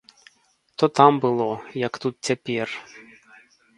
То там было, як тут цяпер.